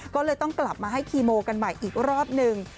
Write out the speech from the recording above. ก็เลยต้องกลับมาให้คีโมกันใหม่อีกรอบหนึ่ง